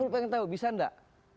lima puluh pengen tahu bisa nggak